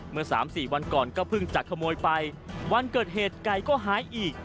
เมื่อสามสี่วันก่อนก็เพิ่งจะขโมยไปวันเกิดเหตุไก่ก็หายอีก